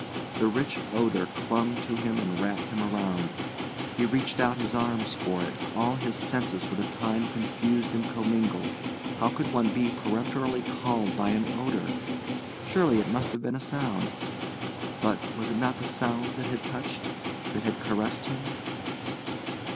The rich odour clung to him and wrapped him around. He reached out his arms for it, all his senses for the time confused and commingled. How could one be peremptorily called by an odour? Surely it must have been a sound. But, was it not the sound that had touched, that had caressed him?